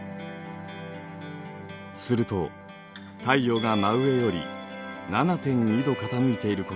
すると太陽が真上より７．２度傾いていることがわかりました。